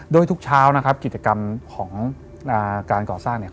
โดยทุกเช้ากิจกรรมของการก่อสร้าง